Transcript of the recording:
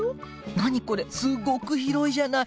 何これすごく広いじゃない！